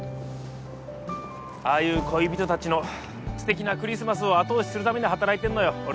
ああいう恋人たちのすてきなクリスマスを後押しするために働いてんのよ